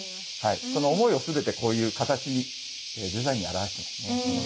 その思いを全てこういう形にデザインに表してますね。